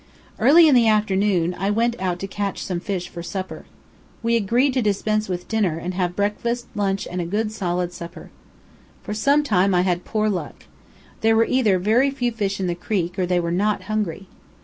Early in the afternoon I went out to catch some fish for supper. We agreed to dispense with dinner, and have breakfast, lunch, and a good solid supper. For some time I had poor luck. There were either very few fish in the creek, or they were not hungry.